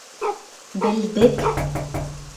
— Белдек.